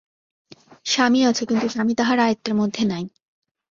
স্বামী আছে, কিন্তু স্বামী তাহার আয়ত্ত্বের মধ্যে নাই।